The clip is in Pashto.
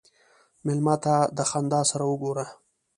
مېلمه ته د خندا سره وګوره.